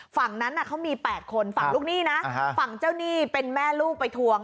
ฝั่งนั้นเขามี๘คนฝั่งลูกหนี้นะฝั่งเจ้าหนี้เป็นแม่ลูกไปทวง